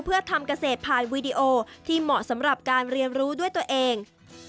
เพื่อทำเกษตรผ่านวีดีโอที่เหมาะสำหรับการเรียนรู้ด้วยตัวเอง